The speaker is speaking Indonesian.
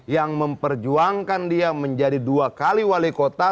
yang memperjuangkan dia menjadi dua kali wali kota